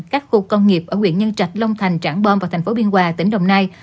các khu công nghiệp ở quyện nhân trạch long thành trảng bom và thành phố biên hòa tỉnh đồng nai